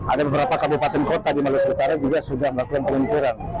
ada beberapa kabupaten kota di maluku utara juga sudah melakukan peluncuran